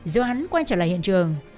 do hắn quay trở lại hiện trường